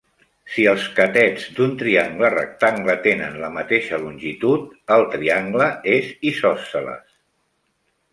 Si els catets d'un triangle rectangle tenen la mateixa longitud, el triangle és isòsceles.